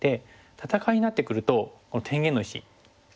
戦いになってくるとこの天元の石どうですか？